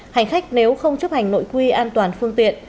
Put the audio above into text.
hành khách nếu không chấp hành nội quy an toàn phương tiện